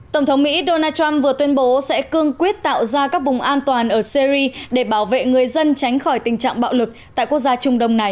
tổng thống mỹ donald trump vừa tuyên bố sẽ cương quyết tạo ra các vùng an toàn ở syri để bảo vệ người dân tránh khỏi tình trạng bạo lực tại quốc gia trung đông này